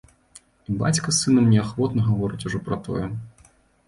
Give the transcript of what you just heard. І бацька з сынам неахвотна гаворыць ужо пра тое.